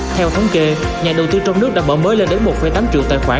theo thống kê nhà đầu tư trong nước đã mở mới lên đến một tám triệu tài khoản